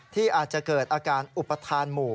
ที่อาจจะเกิดอาการอุปทานหมู่